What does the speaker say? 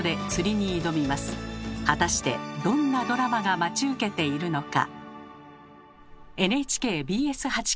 果たしてどんなドラマが待ち受けているのか。